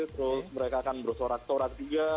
terus mereka akan berusorak usorak juga